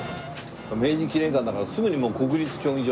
明治記念館だからすぐにもう国立競技場の。